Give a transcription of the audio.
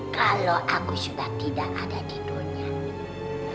kalau aku sudah tidak ada di dunia ini